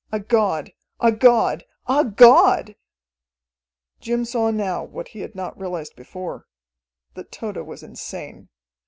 A god a god a god!" Jim saw now what he had not realized before, that Tode was insane.